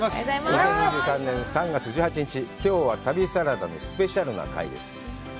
２０２３年３月１８日、きょうは旅サラダのスペシャルな回です。